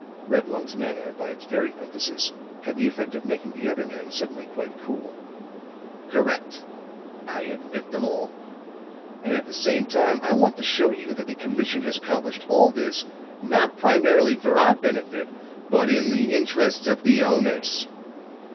Reblong's manner, by its very emphasis, had the effect of making the other man suddenly quite cool. "Correct; I admit them all. And at the same time I want to show you that the commission has accomplished all this, not primarily for our benefit, but in the interests of the owners.